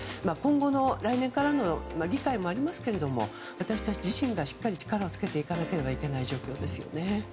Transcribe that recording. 来年議会がありますが私たち自身がしっかり力をつけていかなければいけない状況ですね。